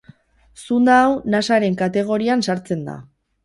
Zunda hau Nasaren kategorian sartzen da.